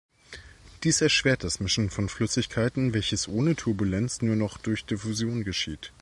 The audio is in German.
Dies erschwert das Mischen von Flüssigkeiten, welches ohne Turbulenz nur noch durch Diffusion geschieht.